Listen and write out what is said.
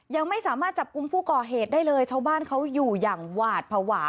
ยังไม่สามารถจับกลุ่มผู้ก่อเหตุได้เลยชาวบ้านเขาอยู่อย่างหวาดภาวะ